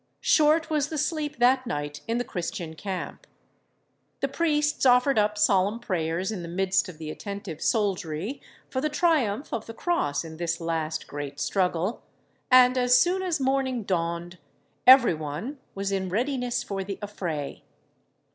Short was the sleep that night in the Christian camp. The priests offered up solemn prayers in the midst of the attentive soldiery for the triumph of the cross in this last great struggle; and as soon as morning dawned, every one was in readiness for the affray.